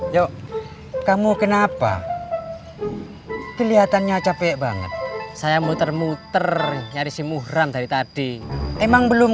yuk kamu kenapa kelihatannya capek banget saya muter muter nyari simuhran dari tadi emang belum